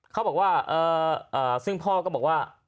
เขาบอกว่าซึ่งพ่อก็บอกว่า